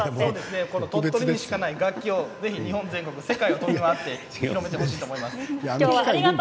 鳥取しかない楽器をぜひ日本全国世界を飛び回って広めてほしいと思います。